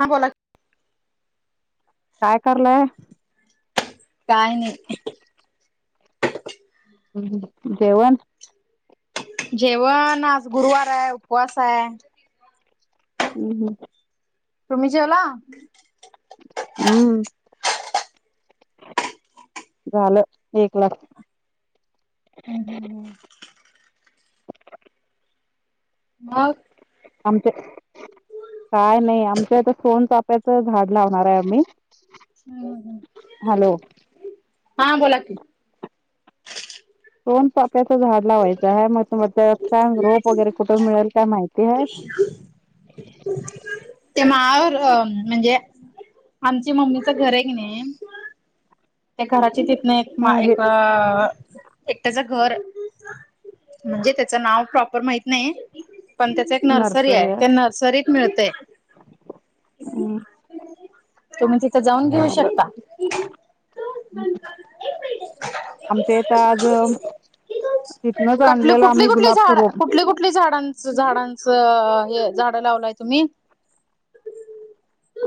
हा बोला की काय करालाय. काय नय [inaudible] जेवण जेवण आज गुरुवार हाय उपवास हाय हम्म, हम्म. तुम्ही जेवला? हम्म. झालं एकलाच. हम [unintelligible] हम मग? आमच्या इथ काय नाही आमच्या इथ फोन चालू आंब्याच झाड लावणार आहे आम्ही. हम्म, हॅलो हम्म हा बोला की. दोन चाफ्याच झाड लावायचं आहे, मग तुम्हाला ते छान रोप वगैरे कुठं मिळेल काय माहिती आहे? हम [inaudible] ते माळावर अ म्हणजे, आमच्या मम्मीचं घर आहे की नाही? त्या घराची तिथन एक ह माळ हे एक एकट्याचं घर म्हणजे, त्याचं नाव प्रॉपर माहित नाही. पण त्याच एक नर्सरी आहे त्या नर्सरीत मिळतेय. हम्म. तुम्ही तिथं जाऊन घेऊ झालं शकता. [unintelligible] आमच्या इथ आज तिथनच कठली, आणलेलं कुठली, आम्ही कुठली गुलाबचं झाड रोप कुठली, कुठली झाडं च झाडांचं हे झाड लावलंय तुम्ही?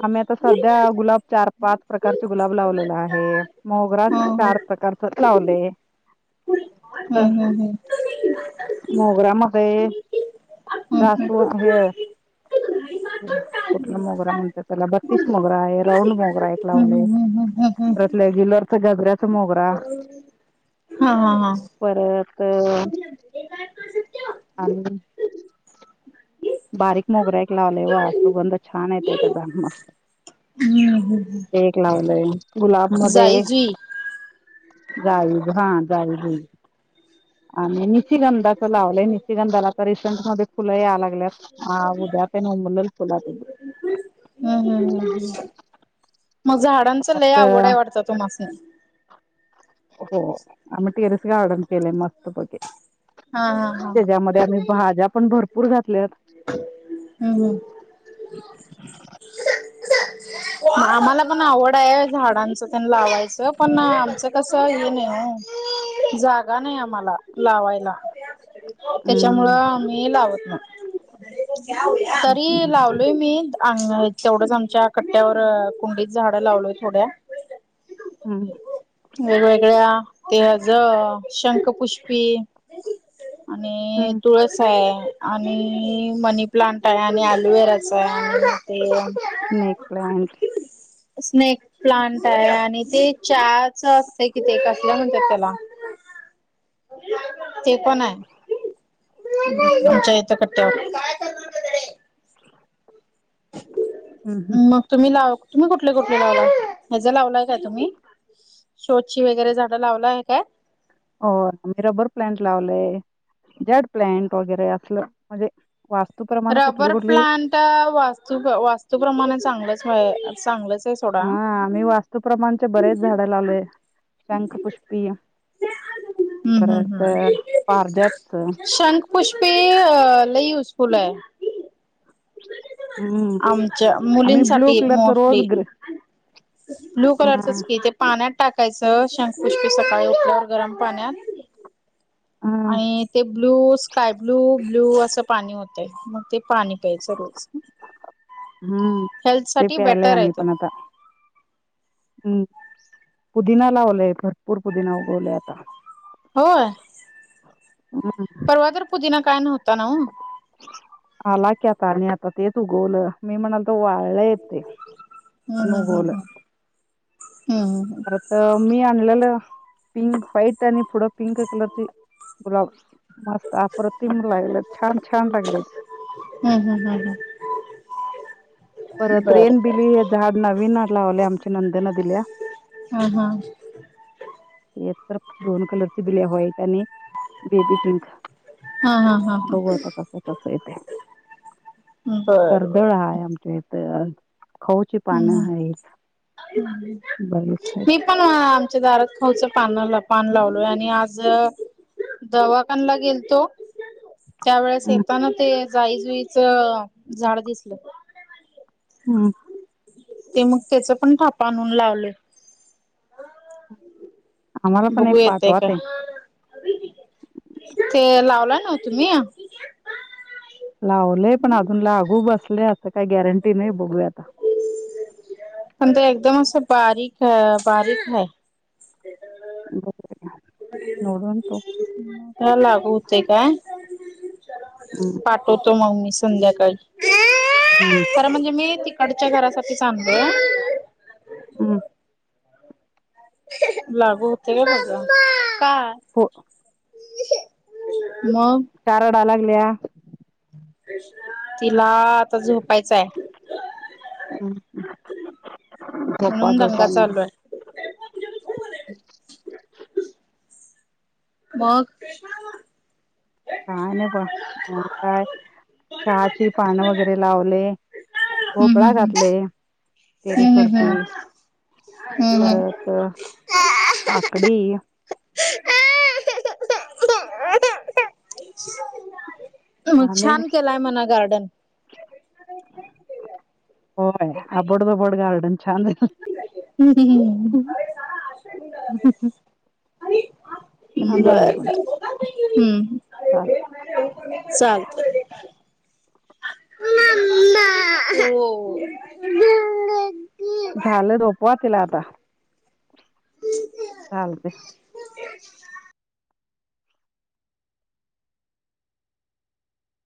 आम्ही आता सध्या गुलाब चार, पाच प्रकारचे गुलाब लावलेला आहे मोगरा हम्म चार प्रकारच लावलये. हम्म, हम्म, हम्म. मोगरा मध्ये हम्म हम्म. हम्म जासू हे कुठला मोगरा म्हणता त्याला बत्तीस मोगरा आहे राऊंड मोगरा एक लावलये. हम्म हम्म हम्म हम्म परत रेगुलर गजऱ्याच मोगरा. हा हा हा. परत [inaudible] आणि बारीक मोगरा एक लावलाय व सुगंध छान आहे त्याचा [unintelligible] हम्म हम्म एक लावलय गुलाब जाई मध्ये जुई जाय हा जाय जुई आणि निशिगंधा. लावलंय निशचगंधाला तर रिसेंट मध्ये फुल या लागल्यात, उद्या का नाही उमल ल फुलात हम्म, हम्म मग झाडांच लय आता आवड आहे वाटत? तुम्हासनी? हो आम्ही टेरस गार्डन केलय मस्त पैकी. हा हा हा. त्याच्यामध्ये आम्ही भाज्या पण भरपूर घातल्यात. हम्म, हम्म. आम्हाला पण आवड आहे झाडांच त्यांन लावायचं पण आमचं कसं हे नाही हो. जागा नाही आम्हाला लावायला. [inaudible] त्याच्यामुळं हम्म आम्ही लावत नाही, तरी लावलोय मी अंग नाईत तेवढंच आमच्या कट्ट्यावर कुंडीत झाडं लावलोय थोड्या. हम्म. वेगवेगळ्या ते ज शंखपुष्पी आणि हं, तूळ असाय आणि मनी प्लांट आहे, आणि अलोवेराचा आहे. Snake plant. ते. स्नेक प्लांट आहे, आणि ते च्या. च असतंय कि ते, कसल म्हणत्यात त्याला. ते पण आय, हं, हं, आमच्या इथं कट्ट्यांवर. हम हम. मग तुम्ही लाव तुम्ही कुठले कुठले लावला, हेचं लावलाय का तुम्ही. शो ची वगैरे झाडं लावला आहे काय. हो मी रबर प्लांट लावलेय, जड प्लांट वगैरे असलं. म्हणजे वास्तूप्रमाणे कुठली कुठली. त वास्तू वास्तूप्रमाणे चांगलंच चांगलचाय. हा आम्ही वास्तूप्रमाणचे बरेच झाड लावलोय, शंखपुष्पी. हम्म हम्म परत हम्म, अ, पारिजातचं. शंक पुुष्पी अ लै युजफुल हाय. हं, आमच्या आम्ही ब्लू मुलींनसाठी कलरचं रोज मोस्टली. ग्रे ब्लू हां, कलरचच की ते पाण्यात. टाकायचं. शंखपुष्पी सकाळी उठल्यावर गरम पाण्यात. हां, आणि ते ब्लू स्काय ब्लू ब्ल्यू असं पाणी होतंय. मग ते पाणी, प्यायच रोज, हं. हेल्थ ते साठी प्यायलंय बेटर ये ते. हम्म पुदिना लावलाय, भरपूर पुदिना उगवलाय आता. होय, हं, परवा तर पुदीना काय नव्हता ना ओ. आला की आता आणि, आता तेच उगवलं मी म्हणाल वाळय ते पण उगवलं. ह. ह. तसं मी आणलेलं पिंक व्हाईट, आणि पुढं पिंक कलरची गुलाब. मस्त अप्रतिम लागलेत, छान छान लागलेत. ह ह ह ह. परत रेन बिली हे झाड नवीन लावले, आमच्या नंदेन दिल्या. हा हा. ते तर दोन कलरची दिल्या, व्हाईट आणि बेबी पिंक. हा हा हा हा. बघू आता, कसं कसं येतंय. बर बर. कर्दळ हाय आमच्या इथ, खऊची हम्म पानं हम्म. हायत. मी पण, आमच्या दारात खाऊच पानं पान लावलोय. आणि आज, दवाखानला गेल तो. त्यावेळेस आहेत येताना ते, जाईजुईच झाड दिसल. हम. ते मग त्याचं पण, धापा आणून लावलोय. आम्हांला पण बघू एक येतय पाठवा का ते. ते लावलाय नवं तुम्ही. लावलंय पण अजून लागू बसले, असं काही गॅरंटी नाही बघूया आता. पण ते एकदम असं, बारीक अ बारीक हाय. बघुया. [unintelligible] त्याला लागु होतंय काय. अमं. पाठवतो मग मी संध्याकाळी [inaudible] हम खरं, म्हणजे मी तिकडच्या घरासाठी सांगलो हम्म लागू होतय [unintelligible] काय? हो [inaudible] मग? का रडा लागलीया? तिला आता झोपायचंय हं झोपा, म्हणून झोपा दंगा मग चालू आहे. ह [inaudible] मग काय नाय बघ आता चहाची पानं वगैरे लावले हम्म भोपळा हम्म घातले टेरेस हम्म हम्म हम्म वरती हम्म हम्म परत त काकडी- हम्म. मग, झालंय छान केलाय म्हणा गार्डन होय, आबड धोबड गार्डन छान झालं हम्म [unintelligible] [inaudible] [inaudible] छान बरं, हम्म चालल चालतय ममा ओ घेना [unintelligible] [inaudible] झालं. झोपावा तिला आता चालतंय ममा च [unintelligible] [inaudible]